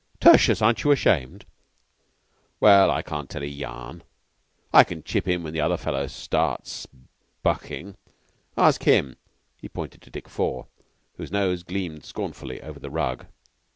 Tertius, aren't you ashamed?" "Well, I can't tell a yarn. I can chip in when the other fellow starts bukhing. Ask him." He pointed to Dick Four, whose nose gleamed scornfully over the rug.